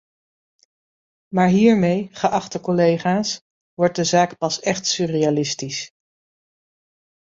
Maar hiermee, geachte collega's, wordt de zaak pas echt surrealistisch.